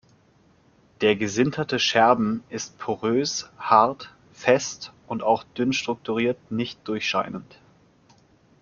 Der gesinterte Scherben ist porös, hart, fest und auch dünn strukturiert nicht durchscheinend.